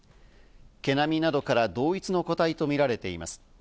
毛並みなどから、同一の個体とみられています。